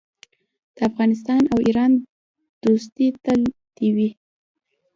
د افغانستان او ایران دوستي دې تل وي.